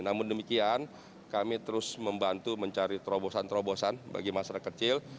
namun demikian kami terus membantu mencari terobosan terobosan bagi masyarakat kecil